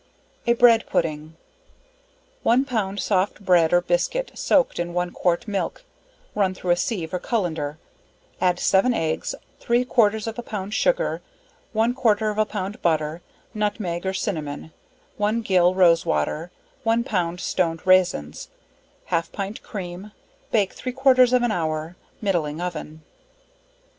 A Bread Pudding. One pound soft bread or biscuit soaked in one quart milk, run thro' a sieve or cullender, add 7 eggs, three quarters of a pound sugar, one quarter of a pound butter, nutmeg or cinnamon, one gill rose water, one pound stoned raisins, half pint cream, bake three quarters of an hour, middling oven.